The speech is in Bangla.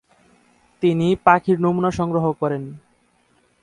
তিনি পাখির নমুনা সংগ্রহ করেন।